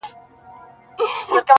او په گوتو کي يې سپين سگريټ نيولی,